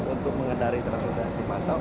untuk mengendari transportasi massal